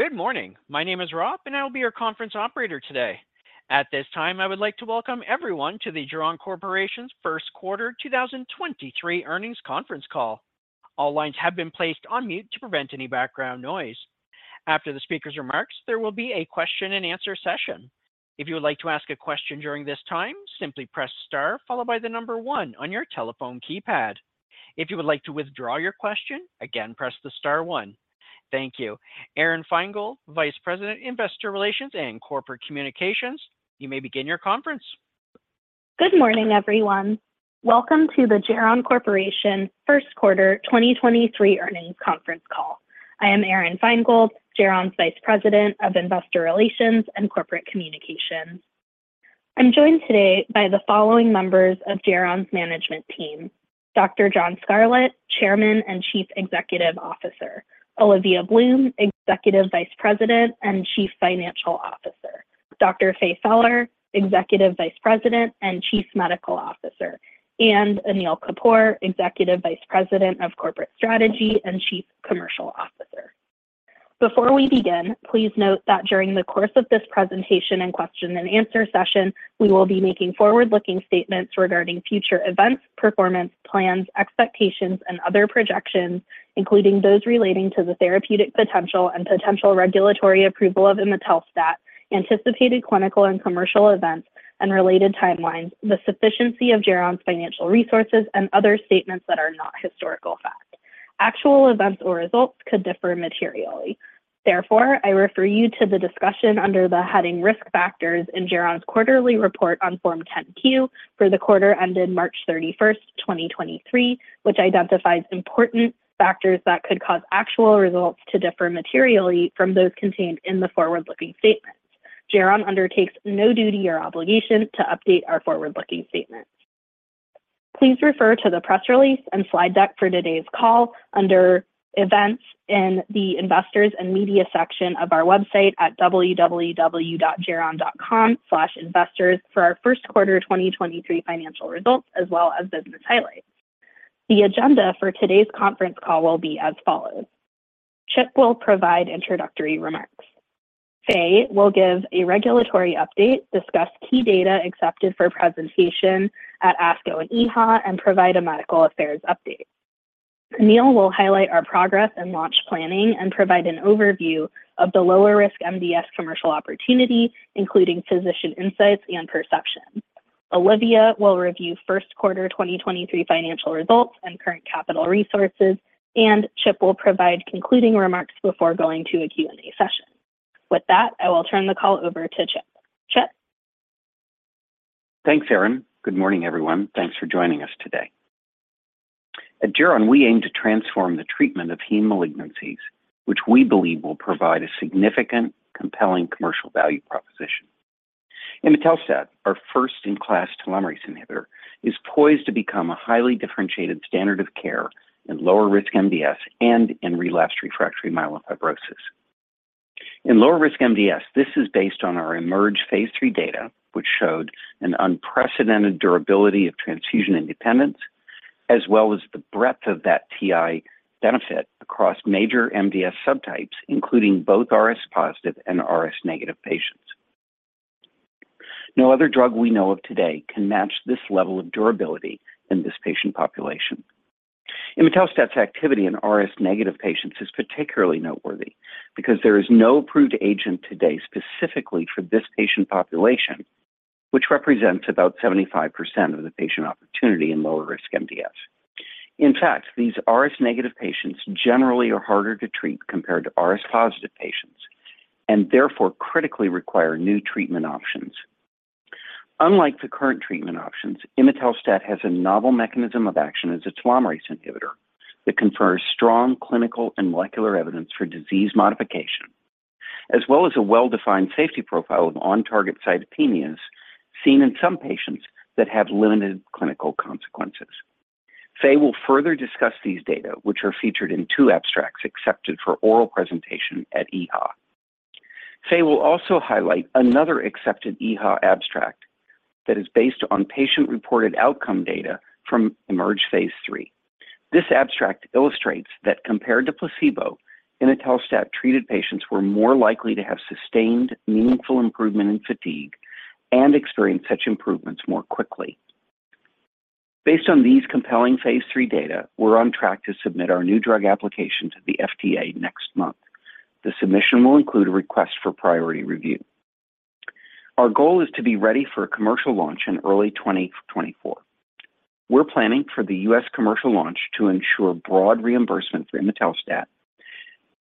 Good morning. My name is Rob, and I will be your conference operator today. At this time, I would like to welcome everyone to the Geron Corporation's Q1 2023 earnings conference call. All lines have been placed on mute to prevent any background noise. After the speaker's remarks, there will be a question-and-answer session. If you would like to ask a question during this time, simply press star followed by the number one on your telephone keypad. If you would like to withdraw your question, again, press the star one. Thank you. Aron Feingold, Vice President, Investor Relations and Corporate Communications, you may begin your conference. Good morning, everyone. Welcome to the Geron Corporation Q1 2023 earnings conference call. I am Aron Feingold, Geron's Vice President of Investor Relations and Corporate Communications. I'm joined today by the following members of Geron's management team: Dr. John Scarlett, Chairman and Chief Executive Officer; Olivia Bloom, Executive Vice President and Chief Financial Officer; Dr. Faye Feller, Executive Vice President and Chief Medical Officer; and Anil Kapur, Executive Vice President of Corporate Strategy and Chief Commercial Officer. Before we begin, please note that during the course of this presentation and question-and-answer session, we will be making forward-looking statements regarding future events, performance, plans, expectations, and other projections, including those relating to the therapeutic potential and potential regulatory approval of Imetelstat, anticipated clinical and commercial events and related timelines, the sufficiency of Geron's financial resources, and other statements that are not historical fact. Actual events or results could differ materially. I refer you to the discussion under the heading Risk Factors in Geron's quarterly report on Form 10-Q for the quarter ended March 31, 2023, which identifies important factors that could cause actual results to differ materially from those contained in the forward-looking statements. Geron undertakes no duty or obligation to update our forward-looking statements. Please refer to the press release and slide deck for today's call under Events in the Investors and Media section of our website at www.geron.com/investors for our Q1 2023 financial results as well as business highlights. The agenda for today's conference call will be as follows. Chip will provide introductory remarks. Faye will give a regulatory update, discuss key data accepted for presentation at ASCO and EHA, and provide a medical affairs update. Anil will highlight our progress and launch planning and provide an overview of the lower risk MDS commercial opportunity, including physician insights and perceptions. Olivia will review Q1 2023 financial results and current capital resources. Chip will provide concluding remarks before going to a Q&A session. With that, I will turn the call over to Chip. Chip? Thanks, Aron. Good morning, everyone. Thanks for joining us today. At Geron, we aim to transform the treatment of heme malignancies, which we believe will provide a significant, compelling commercial value proposition. Imetelstat, our first-in-class telomerase inhibitor, is poised to become a highly differentiated standard of care in lower risk MDS and in relapsed refractory myelofibrosis. In lower risk MDS, this is based on our IMerge-Phase III data, which showed an unprecedented durability of transfusion independence as well as the breadth of that TI benefit across major MDS subtypes, including both RS positive and RS negative patients. No other drug we know of today can match this level of durability in this patient population. Imetelstat's activity in RS negative patients is particularly noteworthy because there is no approved agent today specifically for this patient population, which represents about 75% of the patient opportunity in lower risk MDS. In fact, these RS negative patients generally are harder to treat compared to RS positive patients and therefore critically require new treatment options. Unlike the current treatment options, Imetelstat has a novel mechanism of action as a telomerase inhibitor that confers strong clinical and molecular evidence for disease modification as well as a well-defined safety profile of on-target cytopenias seen in some patients that have limited clinical consequences. Faye will further discuss these data, which are featured in two abstracts accepted for oral presentation at EHA. Faye will also highlight another accepted EHA abstract that is based on patient-reported outcome data from IMerge Phase III. This abstract illustrates that compared to placebo, Imetelstat-treated patients were more likely to have sustained meaningful improvement in fatigue and experience such improvements more quickly. Based on these compelling phase III data, we're on track to submit our new drug application to the FDA next month. The submission will include a request for priority review. Our goal is to be ready for a commercial launch in early 2024. We're planning for the US commercial launch to ensure broad reimbursement for Imetelstat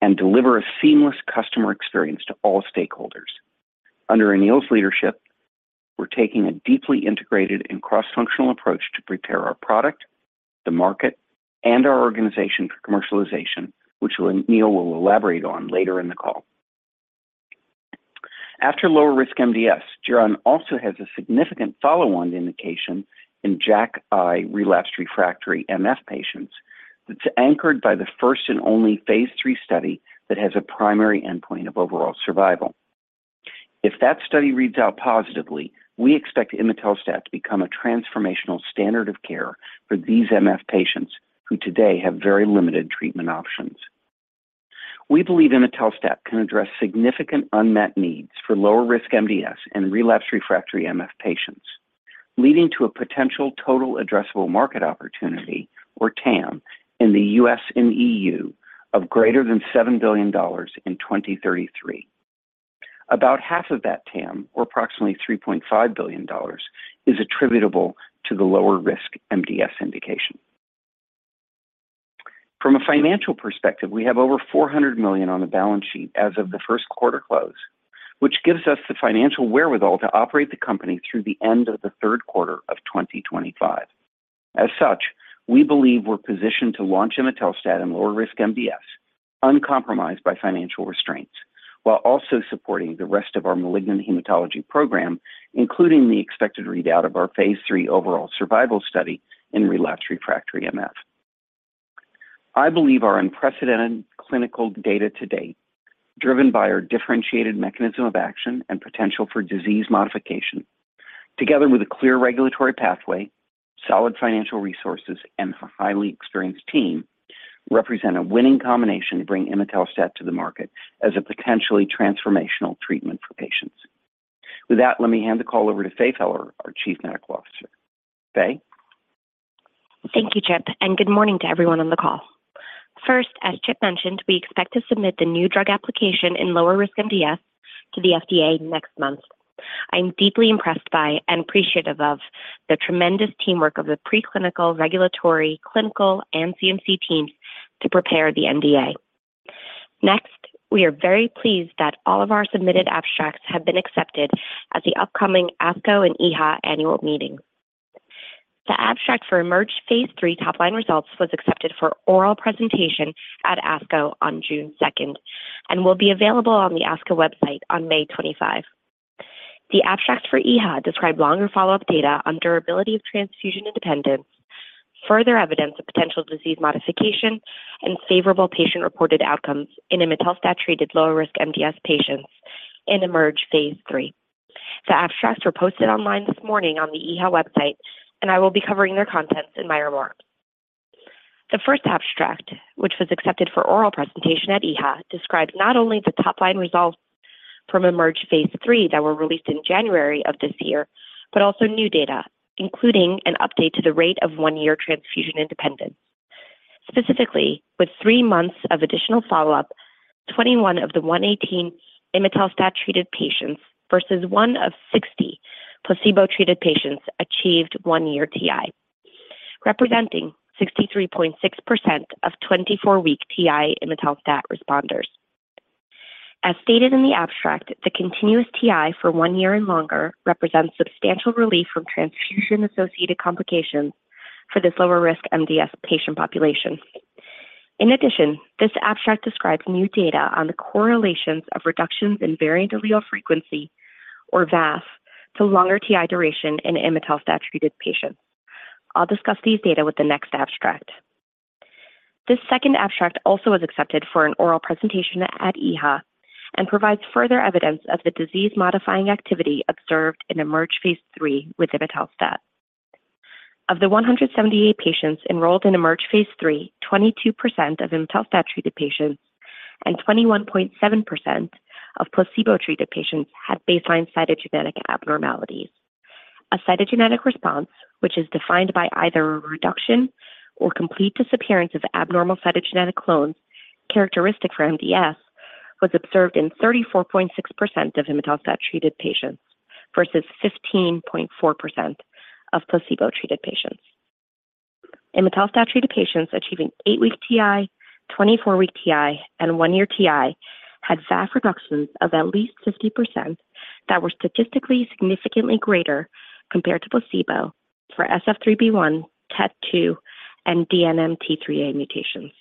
and deliver a seamless customer experience to all stakeholders. Under Anil's leadership, we're taking a deeply integrated and cross-functional approach to prepare our product, the market, and our organization for commercialization, which Anil will elaborate on later in the call. After lower risk MDS, Geron also has a significant follow-on indication in JAKi relapsed refractory MF patients that's anchored by the first and only phase III study that has a primary endpoint of overall survival. That study reads out positively, we expect imetelstat to become a transformational standard of care for these MF patients who today have very limited treatment options. We believe imetelstat can address significant unmet needs for lower risk MDS and relapsed refractory MF patients, leading to a potential total addressable market opportunity or TAM in the US and EU of greater than $7 billion in 2033. About half of that TAM, or approximately $3.5 billion, is attributable to the lower risk MDS indication. From a financial perspective, we have over $400 million on the balance sheet as of the Q1 close, which gives us the financial wherewithal to operate the company through the end of the Q3 of 2025. We believe we're positioned to launch imetelstat in lower risk MDS uncompromised by financial restraints while also supporting the rest of our malignant hematology program, including the expected readout of our phase III overall survival study in relapsed refractory MF. I believe our unprecedented clinical data to date, driven by our differentiated mechanism of action and potential for disease modification, together with a clear regulatory pathway, solid financial resources, and a highly experienced team, represent a winning combination to bring imetelstat to the market as a potentially transformational treatment for patients. Let me hand the call over to Faye Feller, our Chief Medical Officer. Faye? Thank you, Chip, and good morning to everyone on the call. First, as Chip mentioned, we expect to submit the new drug application in lower risk MDS to the FDA next month. I'm deeply impressed by and appreciative of the tremendous teamwork of the preclinical, regulatory, clinical, and CMC teams to prepare the NDA. Next, we are very pleased that all of our submitted abstracts have been accepted at the upcoming ASCO and EHA annual meetings. The abstract IMerge Phase III top line results was accepted for oral presentation at ASCO on June second and will be available on the ASCO website on May 25. The abstract for EHA described longer follow-up data on durability of transfusion independence, further evidence of potential disease modification, and favorable patient-reported outcomes in imetelstat-treated lower risk MDS patients IMerge Phase III. The abstracts were posted online this morning on the EHA website, and I will be covering their contents in my remarks. The first abstract, which was accepted for oral presentation at EHA, described not only the top-line results IMerge Phase III that were released in January of this year, but also new data, including an update to the rate of one-year transfusion independence. Specifically, with three months of additional follow-up, 21 of the 118 imetelstat-treated patients versus one of 60 placebo-treated patients achieved one year TI, representing 63.6% of 24 week TI imetelstat responders. As stated in the abstract, the continuous TI for one year and longer represents substantial relief from transfusion-associated complications for this lower risk MDS patient population. In addition, this abstract describes new data on the correlations of reductions in variant allele frequency, or VAF, to longer TI duration in imetelstat-treated patients. I'll discuss these data with the next abstract. This second abstract also was accepted for an oral presentation at EHA and provides further evidence of the disease-modifying activity observed IMerge Phase III with imetelstat. Of the 178 patients enrolled IMerge Phase III, 22% of imetelstat-treated patients and 21.7% of placebo-treated patients had baseline cytogenetic abnormalities. A cytogenetic response, which is defined by either a reduction or complete disappearance of abnormal cytogenetic clones characteristic for MDS, was observed in 34.6% of imetelstat-treated patients versus 15.4% of placebo-treated patients. Imetelstat-treated patients achieving eight-week TI, 24-week TI, and one-year TI had VAF reductions of at least 50% that were statistically significantly greater compared to placebo for SF3B1, TET2, and DNMT3A mutations.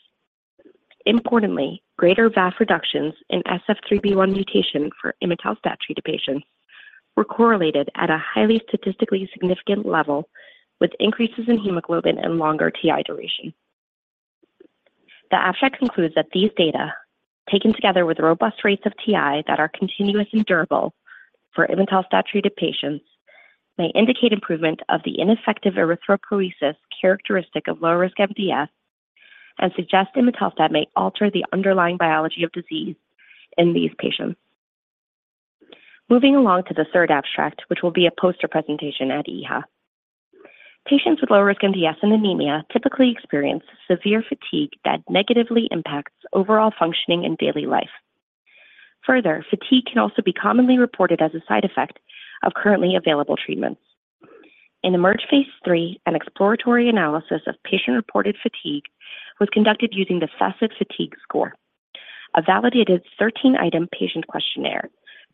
Importantly, greater VAF reductions in SF3B1 mutation for Imetelstat-treated patients were correlated at a highly statistically significant level with increases in hemoglobin and longer TI duration. The abstract concludes that these data, taken together with robust rates of TI that are continuous and durable for Imetelstat-treated patients, may indicate improvement of the ineffective erythropoiesis characteristic of low-risk MDS and suggest Imetelstat may alter the underlying biology of disease in these patients. Moving along to the third abstract, which will be a poster presentation at EHA. Patients with low-risk MDS and anemia typically experience severe fatigue that negatively impacts overall functioning in daily life. Further, fatigue can also be commonly reported as a side effect of currently available treatments. IMerge Phase III, an exploratory analysis of patient-reported fatigue was conducted using the FACIT-Fatigue fatigue score, a validated 13-item patient questionnaire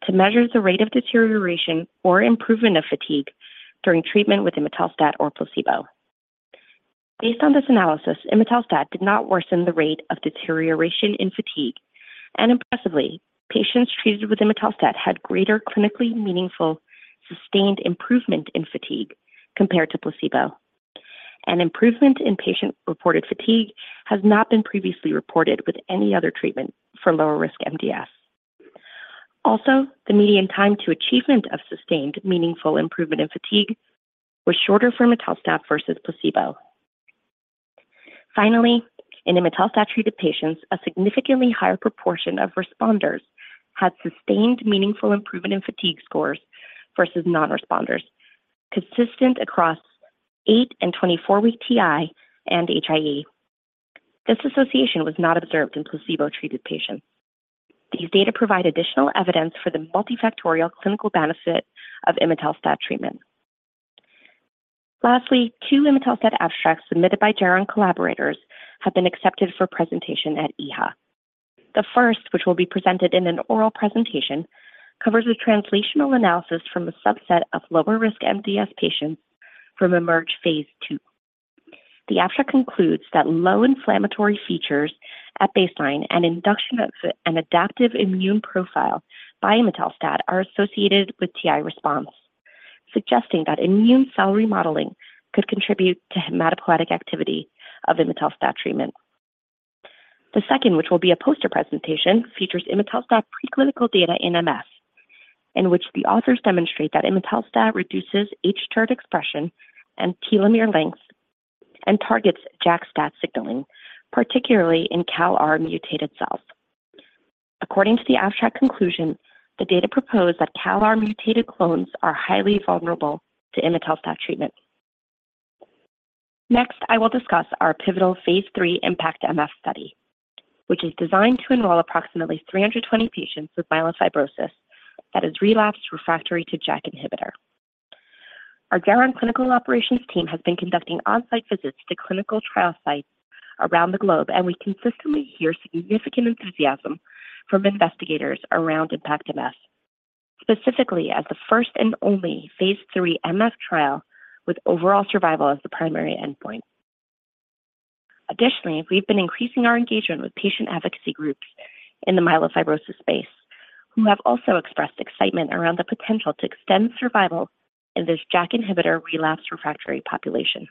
to measure the rate of deterioration or improvement of fatigue during treatment with imetelstat or placebo. Based on this analysis, imetelstat did not worsen the rate of deterioration in fatigue, and impressively, patients treated with imetelstat had greater clinically meaningful sustained improvement in fatigue compared to placebo. An improvement in patient-reported fatigue has not been previously reported with any other treatment for lower-risk MDS. The median time to achievement of sustained meaningful improvement in fatigue was shorter for imetelstat versus placebo. In imetelstat-treated patients, a significantly higher proportion of responders had sustained meaningful improvement in fatigue scores versus non-responders, consistent across eight and 24-week TI and HI-E. This association was not observed in placebo-treated patients. These data provide additional evidence for the multifactorial clinical benefit of imetelstat treatment. Two imetelstat abstracts submitted by Geron collaborators have been accepted for presentation at EHA. The first, which will be presented in an oral presentation, covers a translational analysis from a subset of lower-risk MDS patients IMerge Phase II. The abstract concludes that low inflammatory features at baseline and induction of an adaptive immune profile by imetelstat are associated with TI response, suggesting that immune cell remodeling could contribute to hematopoietic activity of imetelstat treatment. The second, which will be a poster presentation, features imetelstat preclinical data in MF, in which the authors demonstrate that imetelstat reduces hTERT expression and telomere length and targets JAK-STAT signaling, particularly in CALR-mutated cells. According to the abstract conclusion, the data propose that CALR-mutated clones are highly vulnerable to imetelstat treatment. I will discuss our pivotal phase III IMpactMF study, which is designed to enroll approximately 320 patients with myelofibrosis that is relapsed/refractory to JAK inhibitor. Our Geron clinical operations team has been conducting on-site visits to clinical trial sites around the globe, we consistently hear significant enthusiasm from investigators around IMpactMF, specifically as the first and only phase III MF trial with overall survival as the primary endpoint. We've been increasing our engagement with patient advocacy groups in the myelofibrosis space, who have also expressed excitement around the potential to extend survival in this JAK inhibitor relapsed/refractory population.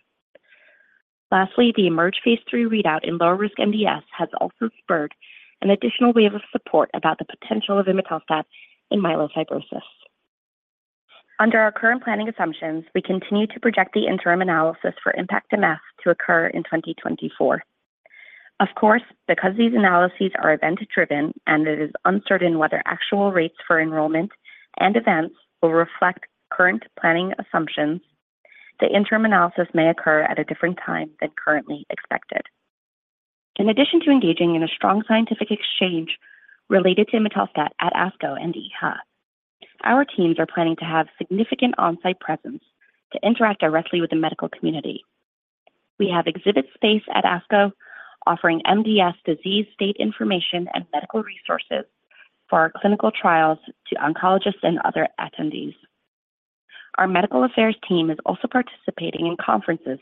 IMerge Phase III readout in lower-risk MDS has also spurred an additional wave of support about the potential of Imetelstat in myelofibrosis. Under our current planning assumptions, we continue to project the interim analysis for IMpactMF to occur in 2024. Of course, because these analyses are event-driven and it is uncertain whether actual rates for enrollment and events will reflect current planning assumptions, the interim analysis may occur at a different time than currently expected. In addition to engaging in a strong scientific exchange related to Imetelstat at ASCO and EHA, our teams are planning to have significant on-site presence to interact directly with the medical community. We have exhibit space at ASCO offering MDS disease state information and medical resources for our clinical trials to oncologists and other attendees. Our medical affairs team is also participating in conferences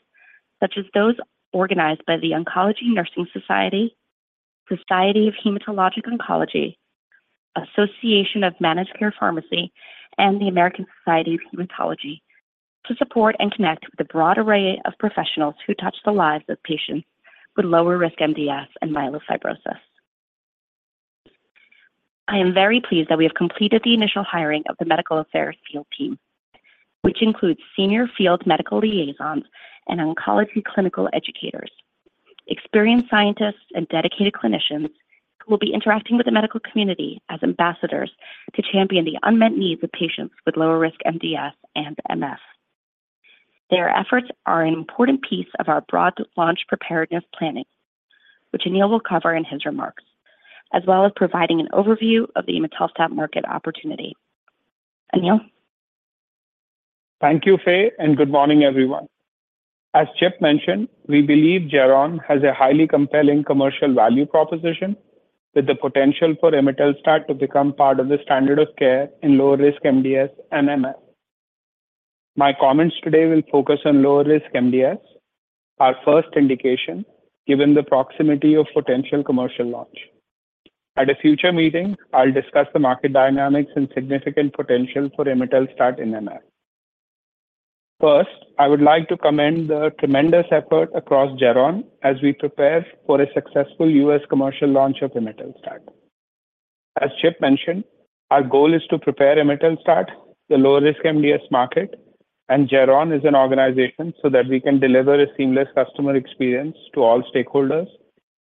such as those organized by the Oncology Nursing Society of Hematologic Oncology, Academy of Managed Care Pharmacy, and the American Society of Hematology to support and connect with a broad array of professionals who touch the lives of patients with lower-risk MDS and myelofibrosis. I am very pleased that we have completed the initial hiring of the medical affairs field team, which includes senior field medical liaisons and oncology clinical educators. Experienced scientists and dedicated clinicians will be interacting with the medical community as ambassadors to champion the unmet needs of patients with lower risk MDS and MF. Their efforts are an important piece of our broad launch preparedness planning, which Anil will cover in his remarks, as well as providing an overview of the Imetelstat market opportunity. Anil? Thank you, Faye, and good morning, everyone. As Chip mentioned, we believe Geron has a highly compelling commercial value proposition with the potential for Imetelstat to become part of the standard of care in lower-risk MDS and MF. My comments today will focus on lower-risk MDS, our first indication, given the proximity of potential commercial launch. At a future meeting, I'll discuss the market dynamics and significant potential for Imetelstat in MF. First, I would like to commend the tremendous effort across Geron as we prepare for a successful US commercial launch of Imetelstat. As Chip mentioned, our goal is to prepare Imetelstat, the lower-risk MDS market, and Geron as an organization so that we can deliver a seamless customer experience to all stakeholders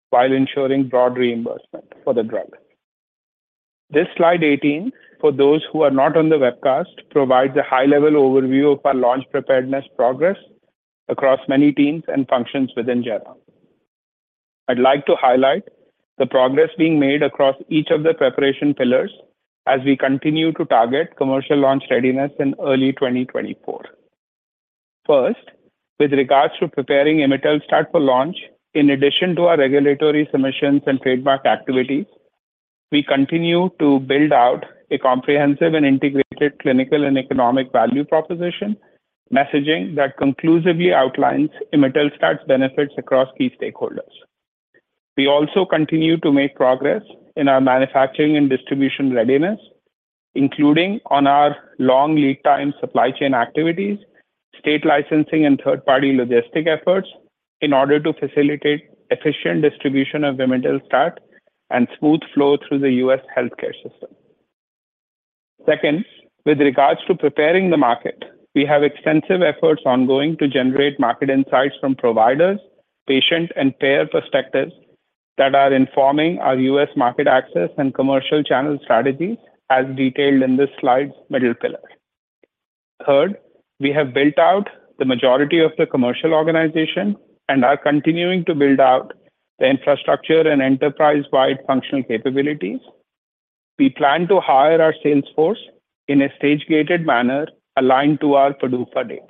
while ensuring broad reimbursement for the drug. This slide 18, for those who are not on the webcast, provides a high-level overview of our launch preparedness progress across many teams and functions within Geron. I'd like to highlight the progress being made across each of the preparation pillars as we continue to target commercial launch readiness in early 2024. First, with regards to preparing Imetelstat for launch, in addition to our regulatory submissions and trademark activities, we continue to build out a comprehensive and integrated clinical and economic value proposition messaging that conclusively outlines Imetelstat's benefits across key stakeholders. We also continue to make progress in our manufacturing and distribution readiness, including on our long lead time supply chain activities, state licensing and third-party logistic efforts in order to facilitate efficient distribution of Imetelstat and smooth flow through the US healthcare system. Second, with regards to preparing the market, we have extensive efforts ongoing to generate market insights from providers, patient, and payer perspectives that are informing our US market access and commercial channel strategies as detailed in this slide's middle pillar. Third, we have built out the majority of the commercial organization and are continuing to build out the infrastructure and enterprise-wide functional capabilities. We plan to hire our sales force in a stage-gated manner aligned to our PDUFA date.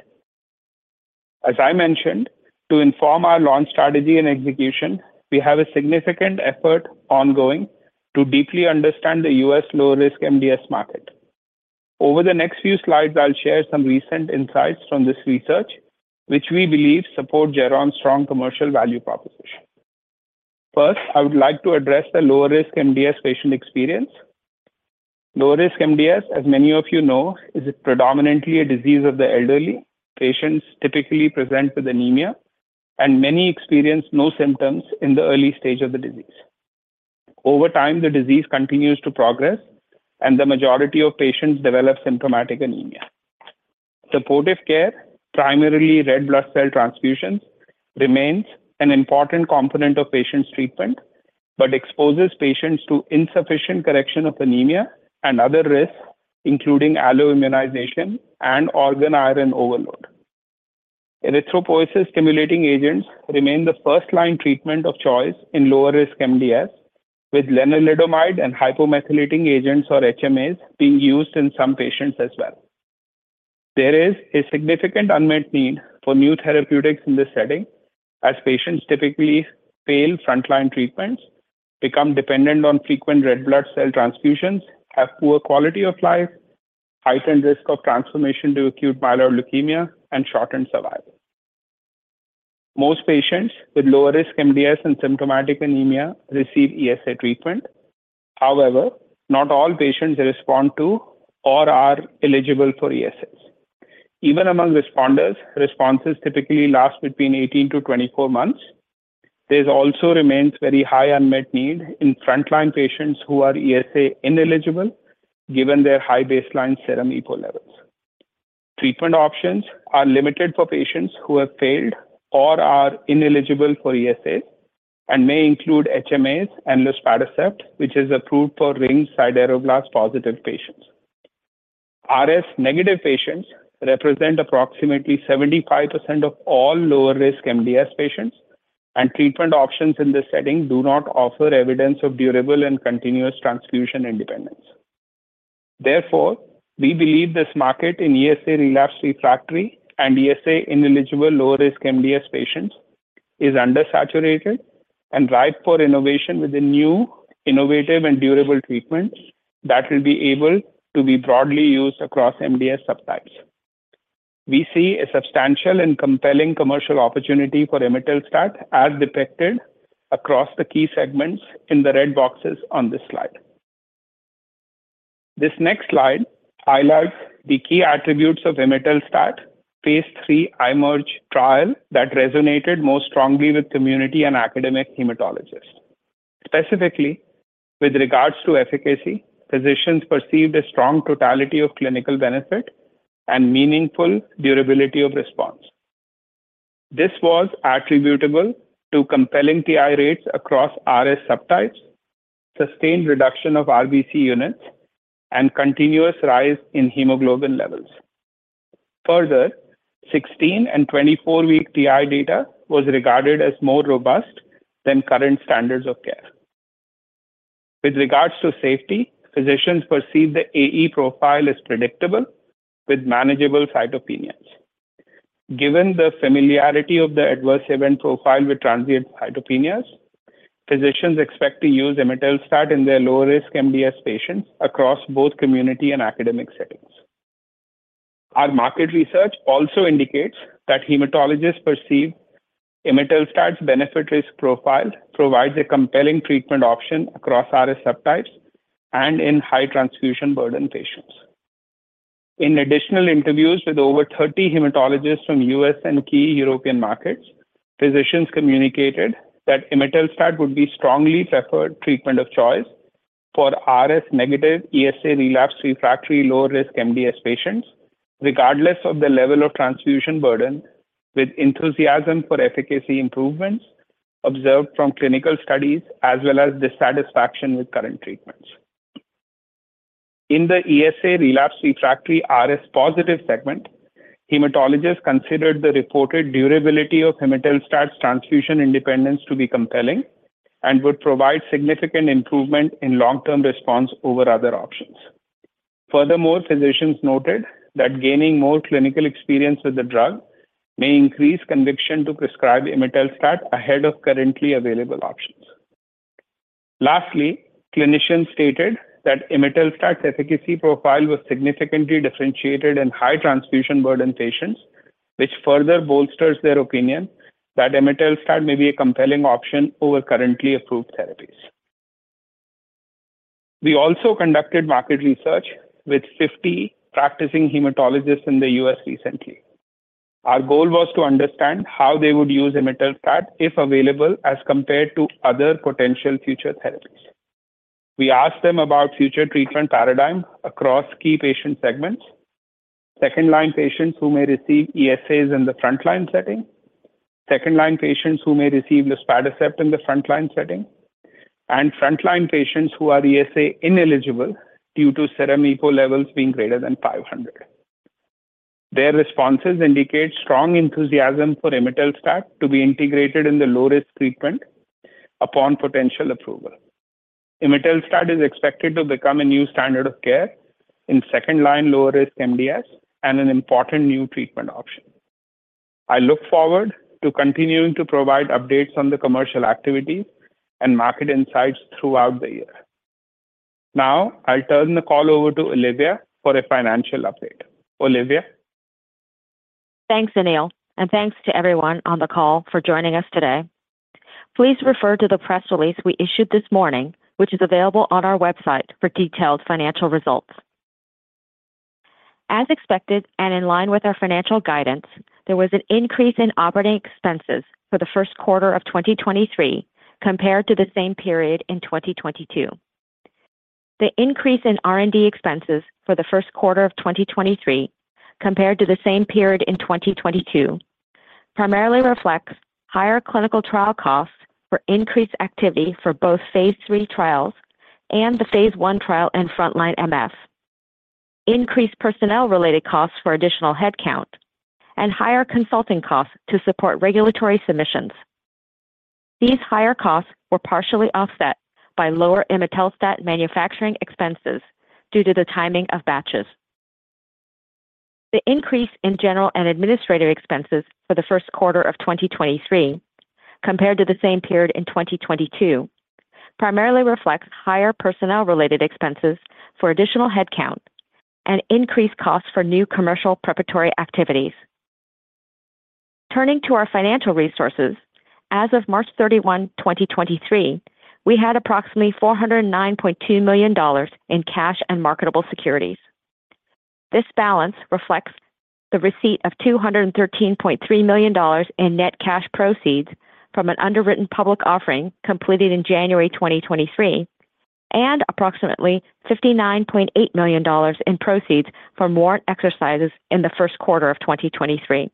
As I mentioned, to inform our launch strategy and execution, we have a significant effort ongoing to deeply understand the US low risk MDS market. Over the next few slides, I'll share some recent insights from this research, which we believe support Geron's strong commercial value proposition. First, I would like to address the lower risk MDS patient experience. Lower risk MDS, as many of you know, is predominantly a disease of the elderly. Patients typically present with anemia, and many experience no symptoms in the early stage of the disease. Over time, the disease continues to progress, and the majority of patients develop symptomatic anemia. Supportive care, primarily red blood cell transfusions, remains an important component of patients' treatment but exposes patients to insufficient correction of anemia and other risks, including alloimmunization and organ iron overload. erythropoiesis-stimulating agents remain the first-line treatment of choice in lower risk MDS, with lenalidomide and hypomethylating agents or HMAs being used in some patients as well. There is a significant unmet need for new therapeutics in this setting as patients typically fail frontline treatments, become dependent on frequent red blood cell transfusions, have poor quality of life, heightened risk of transformation to acute myeloid leukemia, and shortened survival. Most patients with lower risk MDS and symptomatic anemia receive ESA treatment. Not all patients respond to or are eligible for ESAs. Even among responders, responses typically last between 18-24 months. There's also remains very high unmet need in frontline patients who are ESA ineligible given their high baseline serum EPO levels. Treatment options are limited for patients who have failed or are ineligible for ESAs and may include HMAs and luspatercept, which is approved for ring sideroblast positive patients. RS negative patients represent approximately 75% of all lower risk MDS patients, and treatment options in this setting do not offer evidence of durable and continuous transfusion independence. Therefore, we believe this market in ESA relapsed refractory and ESA-ineligible lower-risk MDS patients is undersaturated and ripe for innovation with the new innovative and durable treatments that will be able to be broadly used across MDS subtypes. We see a substantial and compelling commercial opportunity for Imetelstat as depicted across the key segments in the red boxes on this slide. This next slide highlights the key attributes of Imetelstat phase III IMerge trial that resonated most strongly with community and academic hematologists. Specifically, with regards to efficacy, physicians perceived a strong totality of clinical benefit and meaningful durability of response. This was attributable to compelling TI rates across RS subtypes, sustained reduction of RBC units, and continuous rise in hemoglobin levels. Further, 16 and 24 week TI data was regarded as more robust than current standards of care. With regards to safety, physicians perceive the AE profile as predictable with manageable cytopenias. Given the familiarity of the adverse event profile with transient cytopenias, physicians expect to use Imetelstat in their lower risk MDS patients across both community and academic settings. Our market research also indicates that hematologists perceive Imetelstat's benefit risk profile provides a compelling treatment option across RS subtypes and in high transfusion burden patients. In additional interviews with over 30 hematologists from US and key European markets, physicians communicated that Imetelstat would be strongly preferred treatment of choice for RS negative ESA-relapsed refractory lower risk MDS patients regardless of the level of transfusion burden with enthusiasm for efficacy improvements observed from clinical studies as well as dissatisfaction with current treatments. In the ESA relapsed refractory RS positive segment, hematologists considered the reported durability of Imetelstat's transfusion independence to be compelling and would provide significant improvement in long-term response over other options. Furthermore, physicians noted that gaining more clinical experience with the drug may increase conviction to prescribe Imetelstat ahead of currently available options. Lastly, clinicians stated that Imetelstat's efficacy profile was significantly differentiated in high transfusion burden patients, which further bolsters their opinion that Imetelstat may be a compelling option over currently approved therapies. We also conducted market research with 50 practicing hematologists in the US recently. Our goal was to understand how they would use Imetelstat if available as compared to other potential future therapies. We asked them about future treatment paradigm across key patient segments, second-line patients who may receive ESAs in the front-line setting, second-line patients who may receive luspatercept in the front-line setting, and front-line patients who are ESA-ineligible due to serum EPO levels being greater than 500. Their responses indicate strong enthusiasm for Imetelstat to be integrated in the low-risk treatment upon potential approval. Imetelstat is expected to become a new standard of care in second-line lower-risk MDS and an important new treatment option. I look forward to continuing to provide updates on the commercial activity and market insights throughout the year. I'll turn the call over to Olivia for a financial update. Olivia. Thanks, Anil, and thanks to everyone on the call for joining us today. Please refer to the press release we issued this morning, which is available on our website for detailed financial results. As expected and in line with our financial guidance, there was an increase in operating expenses for the Q1 of 2023 compared to the same period in 2022. The increase in R&D expenses for the Q1 of 2023 compared to the same period in 2022 primarily reflects higher clinical trial costs for increased activity for both phase III trials and the phase I trial in frontline MF, increased personnel-related costs for additional headcount, and higher consulting costs to support regulatory submissions. These higher costs were partially offset by lower Imetelstat manufacturing expenses due to the timing of batches. The increase in general and administrative expenses for the Q1 of 2023 compared to the same period in 2022 primarily reflects higher personnel-related expenses for additional headcount and increased costs for new commercial preparatory activities. Turning to our financial resources, as of 31 March 2023, we had approximately $409.2 million in cash and marketable securities. This balance reflects the receipt of $213.3 million in net cash proceeds from an underwritten public offering completed in January 2023 and approximately $59.8 million in proceeds from warrant exercises in the Q1 of 2023.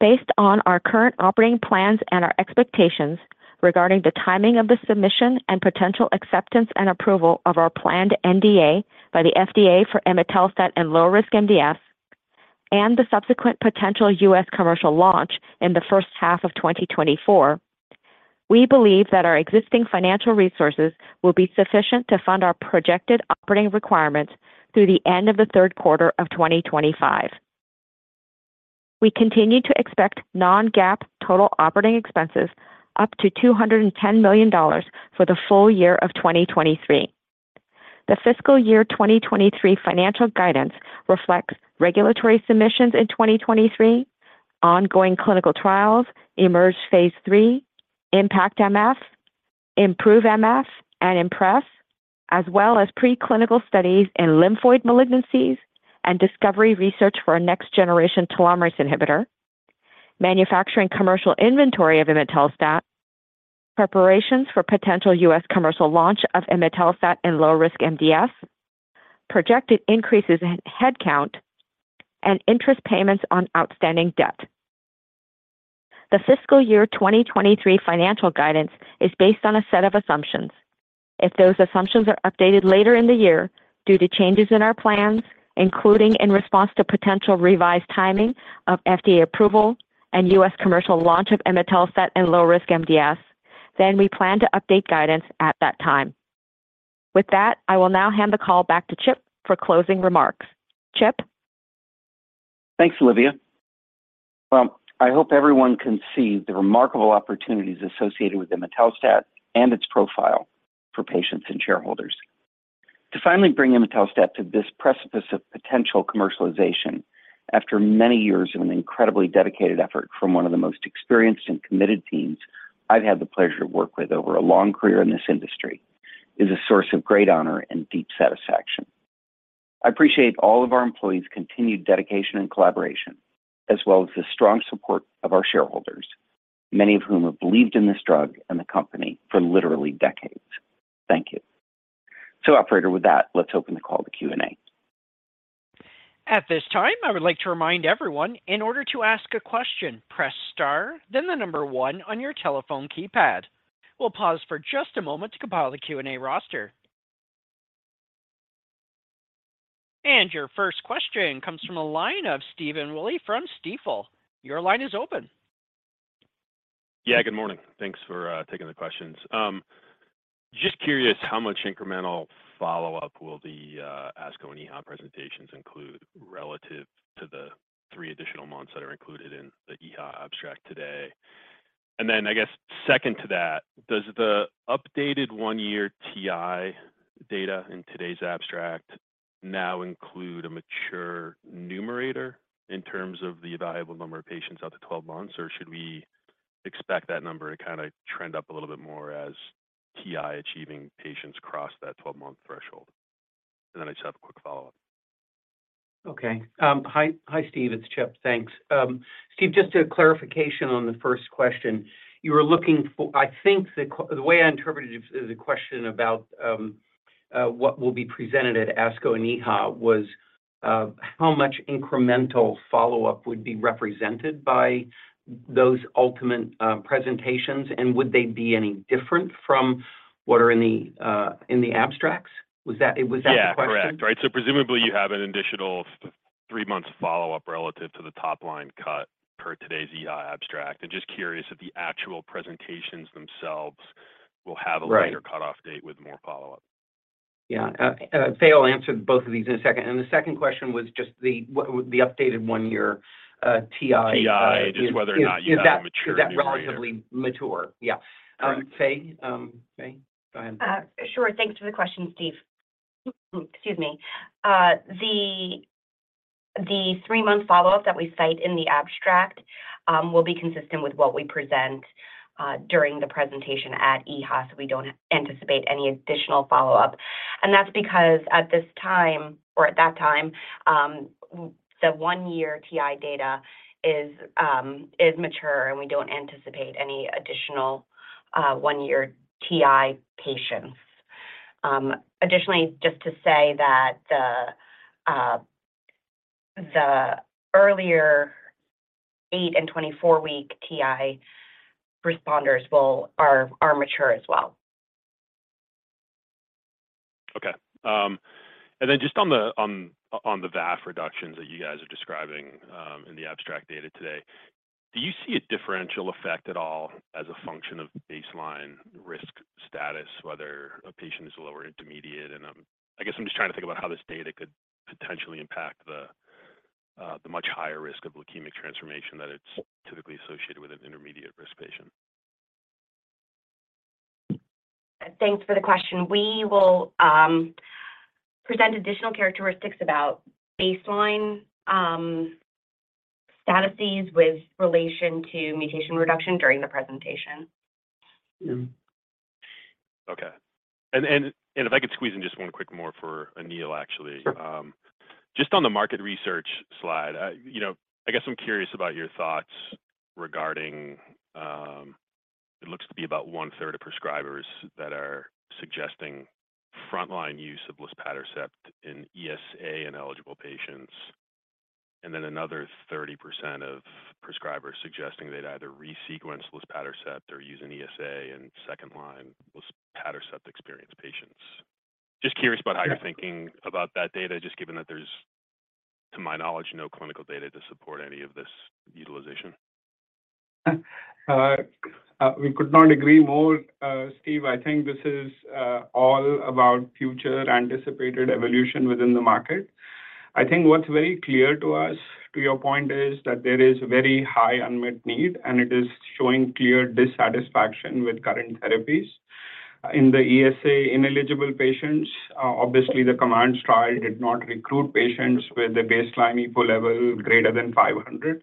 Based on our current operating plans and our expectations regarding the timing of the submission and potential acceptance and approval of our planned NDA by the FDA for Imetelstat and lower-risk MDS and the subsequent potential US commercial launch in the H1 of 2024, we believe that our existing financial resources will be sufficient to fund our projected operating requirements through the end of the Q3 of 2025. We continue to expect non-GAAP total operating expenses up to $210 million for the full year of 2023. The FY 2023 financial guidance reflects regulatory submissions in 2023, ongoing clinical IMerge Phase III, IMpactMF, IMproveMF, and IMpress, as well as preclinical studies in lymphoid malignancies and discovery research for a next-generation telomerase inhibitor, manufacturing commercial inventory of Imetelstat, preparations for potential US commercial launch of Imetelstat in low risk MDS, projected increases in headcount, and interest payments on outstanding debt. The FY 2023 financial guidance is based on a set of assumptions. If those assumptions are updated later in the year due to changes in our plans, including in response to potential revised timing of FDA approval and US commercial launch of Imetelstat in low risk MDS, then we plan to update guidance at that time. With that, I will now hand the call back to Chip for closing remarks. Chip. Thanks, Olivia. Well, I hope everyone can see the remarkable opportunities associated with Imetelstat and its profile for patients and shareholders. To finally bring Imetelstat to this precipice of potential commercialization after many years of an incredibly dedicated effort from one of the most experienced and committed teams I've had the pleasure to work with over a long career in this industry is a source of great honor and deep satisfaction. I appreciate all of our employees' continued dedication and collaboration, as well as the strong support of our shareholders, many of whom have believed in this drug and the company for literally decades. Thank you. Operator, with that, let's open the call to Q&A. At this time, I would like to remind everyone, in order to ask a question, press star, then the number one on your telephone keypad. We'll pause for just a moment to compile the Q&A roster. Your first question comes from a line of Stephen Willey from Stifel. Your line is open. Yeah, good morning. Thanks for taking the questions. Just curious how much incremental follow-up will the ASCO and EHA presentations include relative to the three additional months that are included in the EHA abstract today? I guess second to that, does the updated one-year TI data in today's abstract now include a mature numerator in terms of the evaluable number of patients out to 12 months, or should we expect that number to kind of trend up a little bit more as TI-achieving patients cross that 12-month threshold? I just have a quick follow-up. Okay. Hi, Steve. It's Chip. Thanks. Steve, just a clarification on the first question. I think the way I interpreted it is a question about what will be presented at ASCO and EHA was how much incremental follow-up would be represented by those ultimate presentations, and would they be any different from what are in the abstracts? Was that the question? Yeah, correct. Right. Presumably you have an additional three months follow-up relative to the top-line cut per today's EHA abstract. Just curious if the actual presentations themselves. Right. a later cutoff date with more follow-up. Yeah. Faye will answer both of these in a second. The second question was just the, what would the updated one-year TI- TI, just whether or not you have a mature numerator. Is that relatively mature? Yeah. Correct. Faye, go ahead. Thanks for the question, Stephen Willey. The three-month follow-up that we cite in the abstract will be consistent with what we present during the presentation at EHA. We don't anticipate any additional follow-up. That's because at this time, or at that time, the 1-year TI data is mature. We don't anticipate any additional one-year TI patients. Additionally, just to say that the earlier eight and 24-week TI responders are mature as well. Okay. Then just on the VAF reductions that you guys are describing, in the abstract data today, do you see a differential effect at all as a function of baseline risk status, whether a patient is low or intermediate? I guess I'm just trying to think about how this data could potentially impact the much higher risk of leukemic transformation that it's typically associated with an intermediate risk patient. Thanks for the question. We will present additional characteristics about baseline statuses with relation to mutation reduction during the presentation. Yeah. Okay. If I could squeeze in just one quick more for Anil, actually. Just on the market research slide, I, you know, I guess I'm curious about your thoughts regarding, it looks to be about one-third of prescribers that are suggesting frontline use of luspatercept in ESA-ineligible patients, and then another 30% of prescribers suggesting they'd either resequence luspatercept or use an ESA in second-line luspatercept-experienced patients. Just curious about how you're thinking about that data, just given that there's, to my knowledge, no clinical data to support any of this utilization. We could not agree more, Steve. I think this is all about future anticipated evolution within the market. I think what's very clear to us, to your point, is that there is very high unmet need, and it is showing clear dissatisfaction with current therapies. In the ESA-ineligible patients, obviously the COMMANDS trial did not recruit patients with a baseline EPO level greater than 500.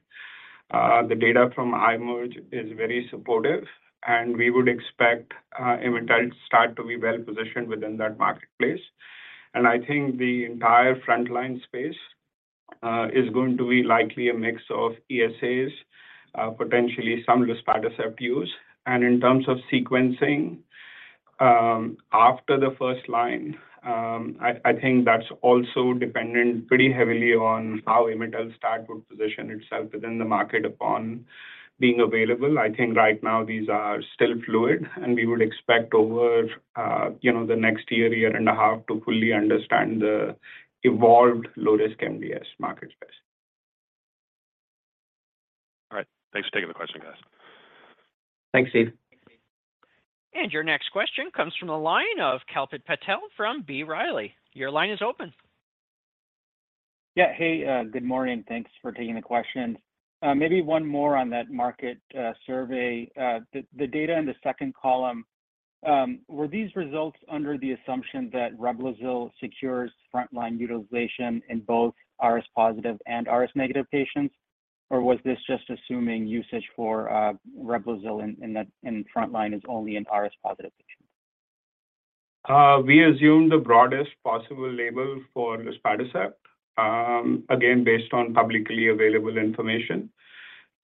The data from IMerge is very supportive, and we would expect, Imetelstat to be well-positioned within that marketplace. I think the entire frontline space is going to be likely a mix of ESAs, potentially some luspatercept use. In terms of sequencing, after the first line, I think that's also dependent pretty heavily on how Imetelstat would position itself within the market upon being available. I think right now these are still fluid, and we would expect over, you know, the next year and a half to fully understand the evolved low-risk MDS market space. All right. Thanks for taking the question, guys. Thanks, Steve. Your next question comes from the line of Kalpit Patel from B. Riley. Your line is open. Hey, good morning. Thanks for taking the questions. Maybe one more on that market survey. The data in the second column, were these results under the assumption that Reblozyl secures frontline utilization in both RS-positive and RS-negative patients? Or was this just assuming usage for Reblozyl in that, in frontline is only in RS-positive patients? We assume the broadest possible label for luspatercept, again, based on publicly available information.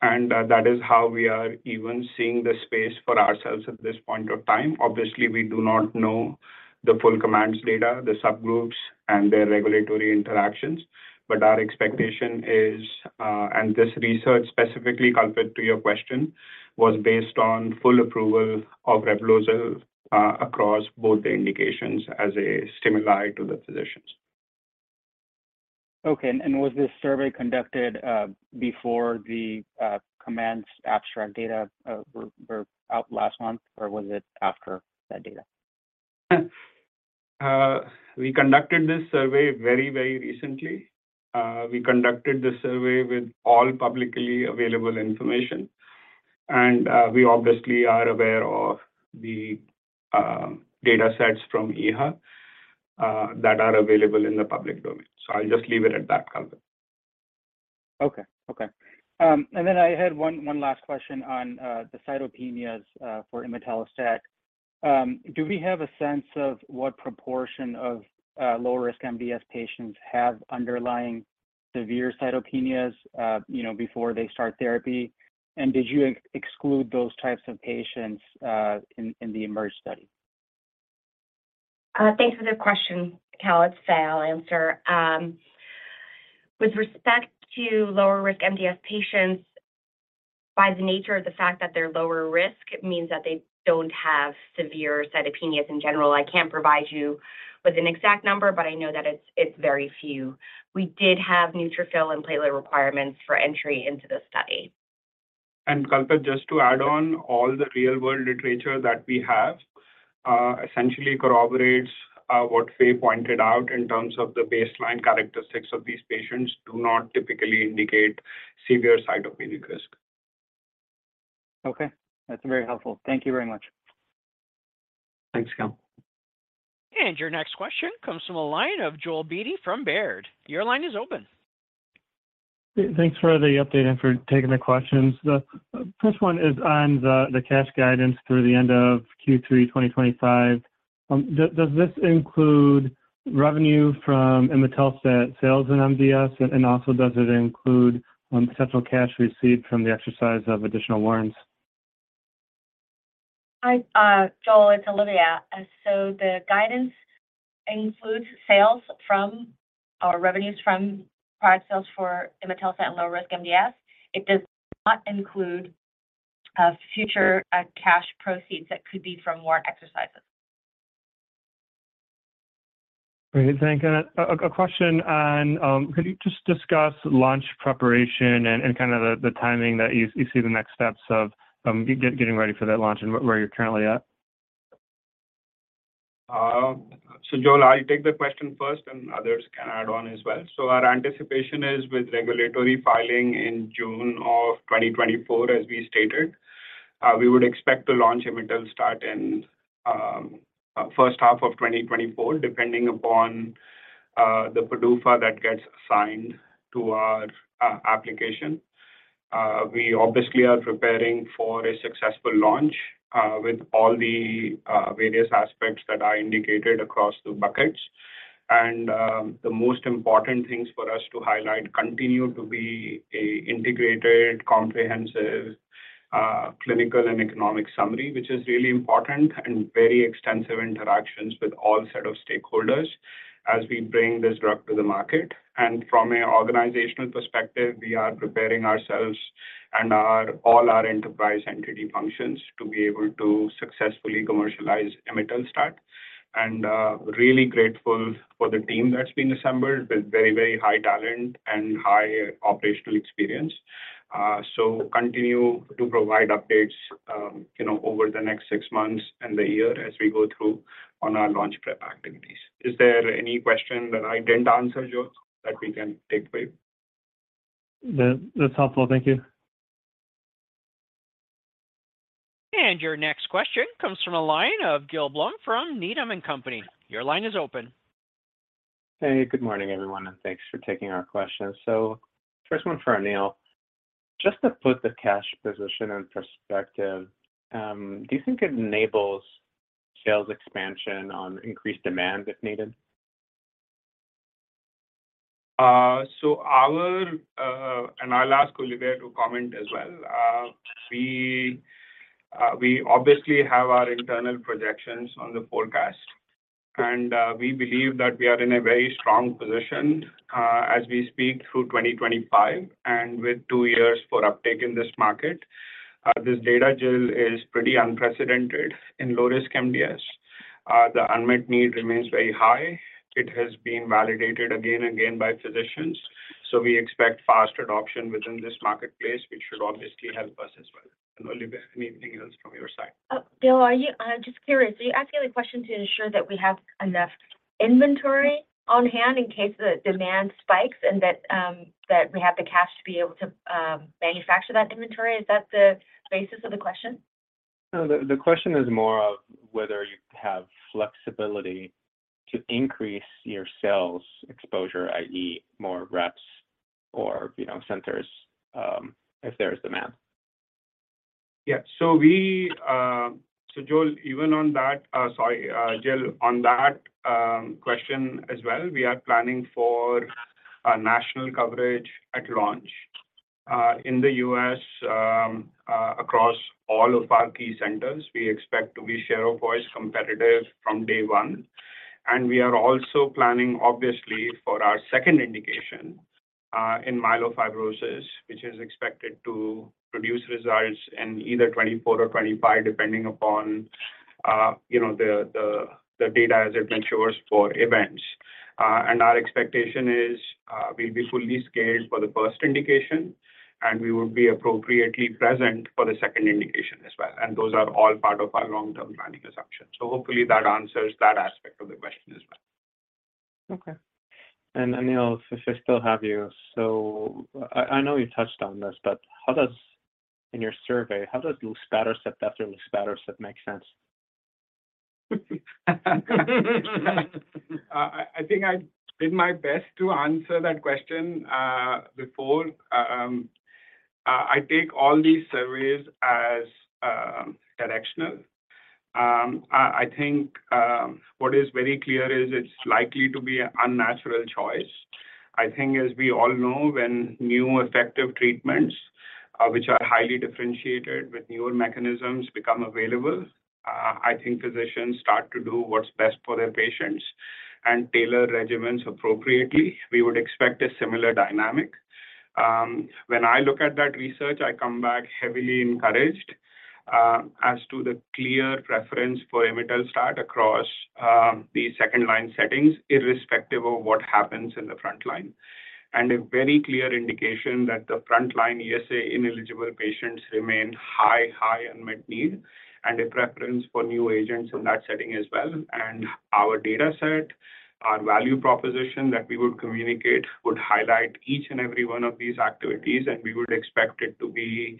That is how we are even seeing the space for ourselves at this point of time. Obviously, we do not know the full COMMANDS data, the subgroups, and their regulatory interactions. Our expectation is, and this research specifically, Kalpit, to your question, was based on full approval of Reblozyl, across both the indications as a stimuli to the physicians. Okay. Was this survey conducted before the COMMANDS abstract data were out last month, or was it after that data? We conducted this survey very recently. We conducted the survey with all publicly available information. We obviously are aware of the data sets from EHA that are available in the public domain. I'll just leave it at that, Kalpit Patel. Okay. Okay. I had one last question on the cytopenias for Imetelstat. Do we have a sense of what proportion of low risk MDS patients have underlying severe cytopenias, you know, before they start therapy? Did you exclude those types of patients in the IMerge study? Thanks for the question, Kal. It's Faye. I'll answer. With respect to lower risk MDS patients, by the nature of the fact that they're lower risk means that they don't have severe cytopenias in general. I can't provide you with an exact number, but I know that it's very few. We did have neutrophil and platelet requirements for entry into the study. Kalpit, just to add on all the real world literature that we have, essentially corroborates what Faye pointed out in terms of the baseline characteristics of these patients do not typically indicate severe cytopenic risk. Okay. That's very helpful. Thank you very much. Thanks, Kal. Your next question comes from a line of Joel Beatty from Baird. Your line is open. Thanks for the update and for taking the questions. The first one is on the cash guidance through the end of Q3 2025. Does this include revenue from imetelstat sales in MDS? Also does it include central cash received from the exercise of additional warrants? Hi, Joel, it's Olivia. The guidance includes sales from or revenues from product sales for imetelstat and low risk MDS. It does not include future cash proceeds that could be from more exercises. Great. Thank you. A question on, could you just discuss launch preparation and kinda the timing that you see the next steps of getting ready for that launch and where you're currently at? Joel, I'll take the question first, and others can add on as well. Our anticipation is with regulatory filing in June of 2024, as we stated, we would expect to launch Imetelstat in H1 of 2024, depending upon the PDUFA that gets assigned to our application. We obviously are preparing for a successful launch, with all the various aspects that I indicated across the buckets. The most important things for us to highlight continue to be a integrated, comprehensive, clinical and economic summary, which is really important and very extensive interactions with all set of stakeholders as we bring this drug to the market. From a organizational perspective, we are preparing ourselves and our, all our enterprise entity functions to be able to successfully commercialize Imetelstat. Really grateful for the team that's been assembled with very, very high talent and high operational experience. Continue to provide updates, you know, over the next 6 months and the year as we go through on our launch prep activities. Is there any question that I didn't answer, Joel, that we can take away? That's helpful. Thank you. Your next question comes from a line of Gil Blum from Needham & Company. Your line is open. Hey, good morning, everyone, and thanks for taking our questions. First one for Anil. Just to put the cash position in perspective, do you think it enables sales expansion on increased demand if needed? Our, and I'll ask Olivia to comment as well. We obviously have our internal projections on the forecast, and we believe that we are in a very strong position, as we speak through 2025 and with two years for uptake in this market. This data, Gil, is pretty unprecedented in lower-risk MDS. The unmet need remains very high. It has been validated again and again by physicians. We expect fast adoption within this marketplace, which should obviously help us as well. Olivia, anything else from your side? Gil, I'm just curious, are you asking the question to ensure that we have enough inventory on hand in case the demand spikes and that we have the cash to be able to manufacture that inventory? Is that the basis of the question? No. The question is more of whether you have flexibility to increase your sales exposure, i.e., more reps or, you know, centers, if there's demand. Yeah. Joel, even on that, sorry, Gil, on that question as well, we are planning for a national coverage at launch in the US across all of our key centers. We expect to be share of voice competitive from day one. We are also planning, obviously, for our second indication in myelofibrosis, which is expected to produce results in either 2024 or 2025, depending upon, you know, the data as it matures for events. Our expectation is, we'll be fully scaled for the first indication, and we will be appropriately present for the second indication as well. Those are all part of our long-term planning assumption. Hopefully that answers that aspect of the question as well. Okay. Anil, if I still have you. I know you touched on this, how does, in your survey, how does Luspatercept after Luspatercept make sense? I think I did my best to answer that question before. I take all these surveys as directional. I think what is very clear is it's likely to be an unnatural choice. I think as we all know, when new effective treatments, which are highly differentiated with newer mechanisms become available, I think physicians start to do what's best for their patients and tailor regimens appropriately. We would expect a similar dynamic. When I look at that research, I come back heavily encouraged as to the clear preference for imetelstat across the second-line settings, irrespective of what happens in the front line. A very clear indication that the front-line ESA-ineligible patients remain high unmet need and a preference for new agents in that setting as well. Our data set, our value proposition that we would communicate would highlight each and every one of these activities, and we would expect it to be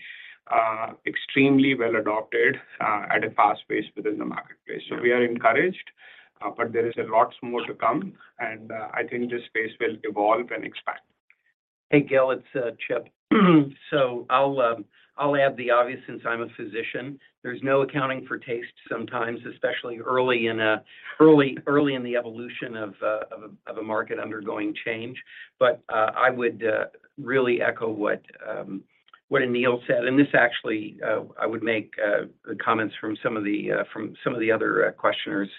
extremely well adopted at a fast pace within the marketplace. We are encouraged, but there is a lot more to come, and I think this space will evolve and expand. Hey, Gil, it's Chip. I'll add the obvious since I'm a physician. There's no accounting for taste sometimes, especially early in the evolution of a market undergoing change. I would really echo what Anil said. This actually, I would make comments from some of the other questioners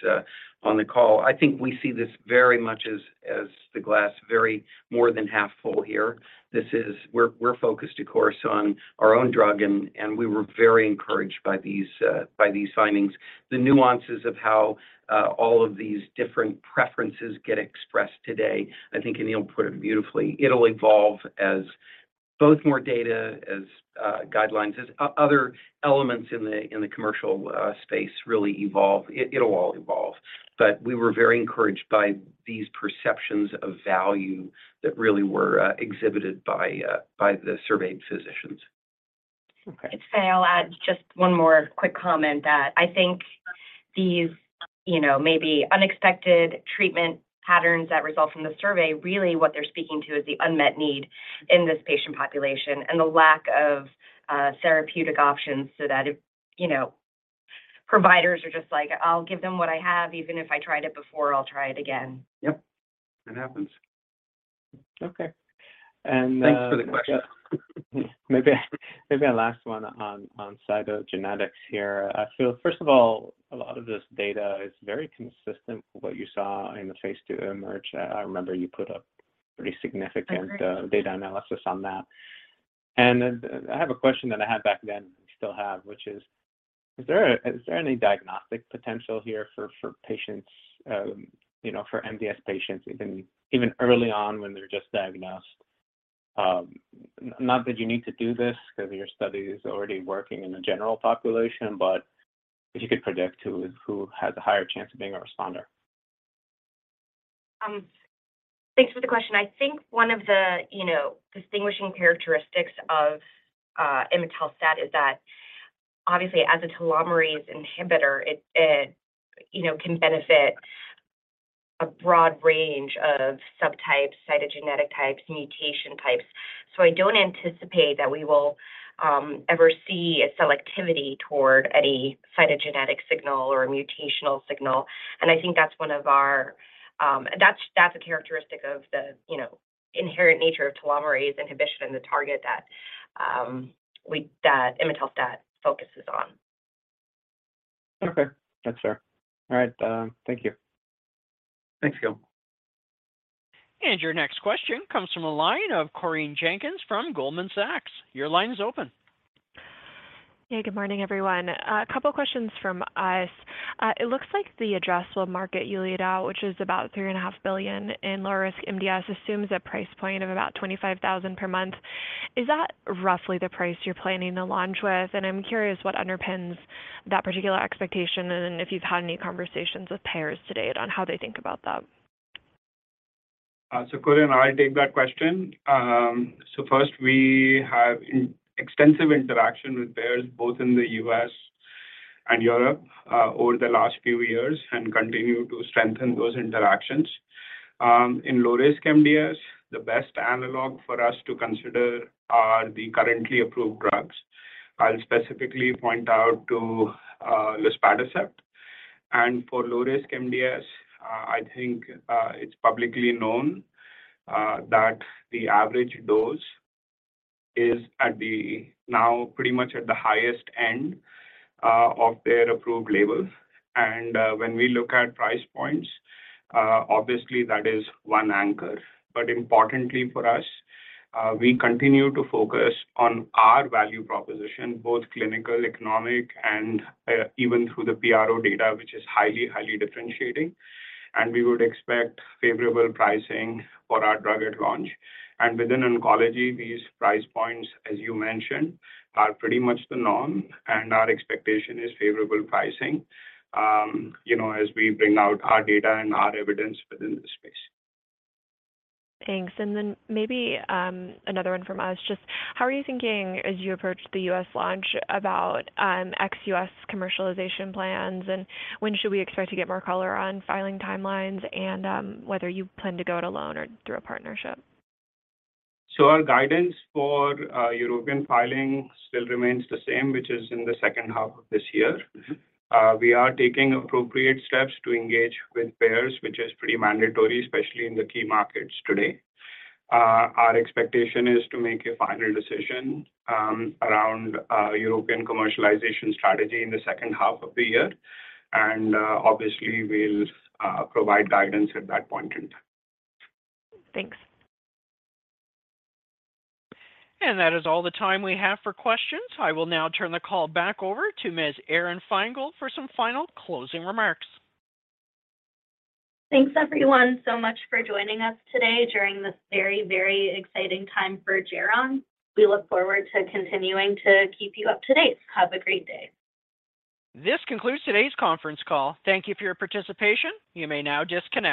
on the call. I think we see this very much as the glass very more than half full here. This is. We're focused, of course, on our own drug and we were very encouraged by these findings. The nuances of how all of these different preferences get expressed today, I think Anil put it beautifully. It'll evolve as both more data, as guidelines, as other elements in the commercial space really evolve. It'll all evolve. We were very encouraged by these perceptions of value that really were exhibited by the surveyed physicians. Okay. It's Faye. I'll add just one more quick comment that I think these, you know, maybe unexpected treatment patterns that result from the survey, really what they're speaking to is the unmet need in this patient population and the lack of, therapeutic options so that, you know, providers are just like, "I'll give them what I have. Even if I tried it before, I'll try it again. Yep. It happens. Okay. Thanks for the question. Maybe a last one on cytogenetics here. I feel, first of all, a lot of this data is very consistent with what you saw in the phase II IMerge. I remember you put a pretty significant. Agreed data analysis on that. I have a question that I had back then and still have, which is there any diagnostic potential here for patients, you know, for MDS patients even early on when they're just diagnosed? Not that you need to do this because your study is already working in the general population, but if you could predict who has a higher chance of being a responder. Thanks for the question. I think one of the, you know, distinguishing characteristics of imetelstat is that obviously as a telomerase inhibitor, it, you know, can benefit a broad range of subtypes, cytogenetic types, mutation types. I don't anticipate that we will ever see a selectivity toward any cytogenetic signal or a mutational signal. I think that's one of our... That's a characteristic of the, you know, inherent nature of telomerase inhibition and the target that imetelstat focuses on. Okay. That's fair. All right, thank you. Thanks, Gil. Your next question comes from a line of Corinne Jenkins from Goldman Sachs. Your line is open. Yeah, good morning, everyone. A couple questions from us. It looks like the addressable market you laid out, which is about $3.5 billion in low risk MDS, assumes a price point of about $25,000 per month. Is that roughly the price you're planning to launch with? I'm curious what underpins that particular expectation and if you've had any conversations with payers to date on how they think about that. Corinne, I'll take that question. First, we have extensive interaction with payers both in the US and Europe over the last few years and continue to strengthen those interactions. In low risk MDS, the best analog for us to consider are the currently approved drugs. I'll specifically point out to Luspatercept. For low risk MDS, I think it's publicly known that the average dose is now pretty much at the highest end of their approved label. When we look at price points, obviously that is one anchor. Importantly for us, we continue to focus on our value proposition, both clinical, economic, and even through the PRO data, which is highly differentiating. We would expect favorable pricing for our drug at launch. Within oncology, these price points, as you mentioned, are pretty much the norm. Our expectation is favorable pricing, you know, as we bring out our data and our evidence within the space. Thanks. Maybe, another one from us. Just how are you thinking as you approach the US launch about ex-US commercialization plans, and when should we expect to get more color on filing timelines and whether you plan to go it alone or through a partnership? Our guidance for European filing still remains the same, which is in the H2 of this year. We are taking appropriate steps to engage with payers, which is pretty mandatory, especially in the key markets today. Our expectation is to make a final decision around our European commercialization strategy in the H2 of the year, and obviously we'll provide guidance at that point in time. Thanks. That is all the time we have for questions. I will now turn the call back over to Ms. Aron Feingold for some final closing remarks. Thanks, everyone, so much for joining us today during this very, very exciting time for Geron. We look forward to continuing to keep you up to date. Have a great day. This concludes today's conference call. Thank you for your participation. You may now disconnect.